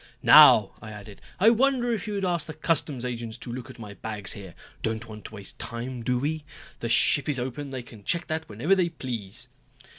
"Now," I added, "I wonder if you would ask the customs agents to look at my bags here. Don't want to waste time, do we? The ship is open, they can check that whenever they please."